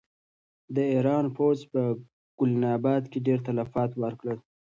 د ایران پوځ په ګلناباد کې ډېر تلفات ورکړل.